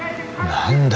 何だ？